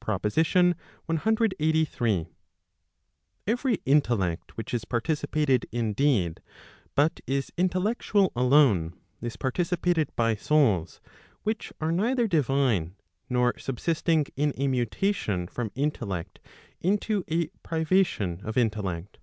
PROPOSITION CLXXXIII. Every intellect which is participated indeed, but is intellectual alone, is participated by souls which are neither divine, nor subsisting in a mutation from intellect into a privation of intellect.